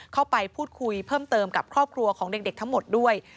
เข้าไปพูดคุยเพิ่มเติมกับครอบครัวของเด็กทั้งหมดด้วย